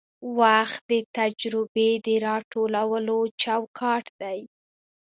وخت د تجربې د راټولولو چوکاټ دی.